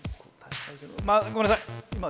まあごめんなさい！